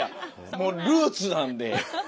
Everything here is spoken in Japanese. もうルーツなんで。